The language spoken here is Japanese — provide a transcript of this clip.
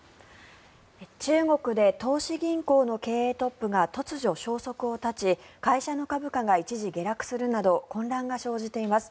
中国で投資銀行の経営トップが突如、消息を絶ち会社の株価が一時下落するなど混乱が生じています。